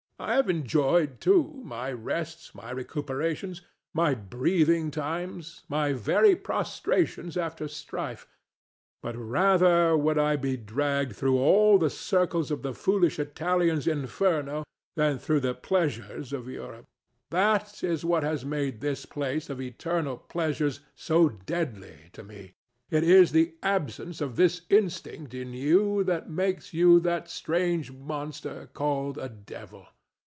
I have enjoyed, too, my rests, my recuperations, my breathing times, my very prostrations after strife; but rather would I be dragged through all the circles of the foolish Italian's Inferno than through the pleasures of Europe. That is what has made this place of eternal pleasures so deadly to me. It is the absence of this instinct in you that makes you that strange monster called a Devil.